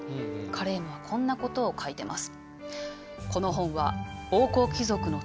カレームはこんなことを書いてます。